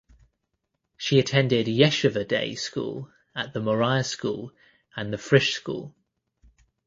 She attended yeshiva day school at the Moriah School and the Frisch School.